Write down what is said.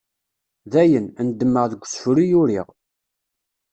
Dayen, ndemmeɣ deg usefru i uriɣ.